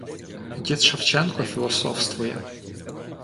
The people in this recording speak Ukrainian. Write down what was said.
Дід Шевченко філософствує: